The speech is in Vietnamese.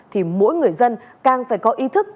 thì mỗi người dân càng phải có ý thức